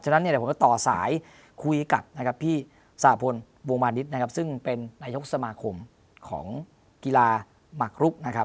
ฉะนั้นเนี่ยผมก็ต่อสายคุยกับพี่สหพนธ์บวงบาลนิตนะครับซึ่งเป็นนายศพสมาคมของกีฬาหมักลุกนะครับ